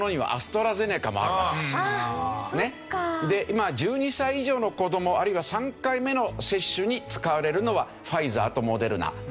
で今１２歳以上の子供あるいは３回目の接種に使われるのはファイザーとモデルナ。